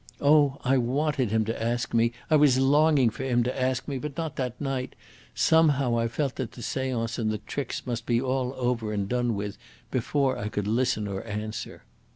Oh! I wanted him to ask me I was longing for him to ask me but not that night. Somehow I felt that the seance and the tricks must be all over and done with before I could listen or answer."